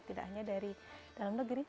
tidak hanya dari dalam negeri